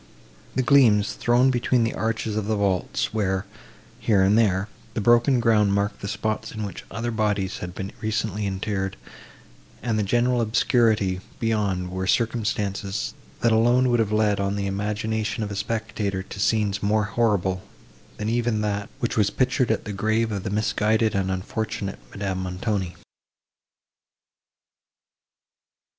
The gleams, thrown between the arches of the vaults, where, here and there, the broken ground marked the spots in which other bodies had been recently interred, and the general obscurity beyond were circumstances, that alone would have led on the imagination of a spectator to scenes more horrible than even that which was pictured at the grave of the misguided and unfortunate Madame Montoni.